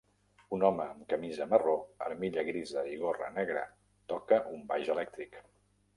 Un home amb camisa marró, armilla grisa i gorra negra toca un baix elèctric.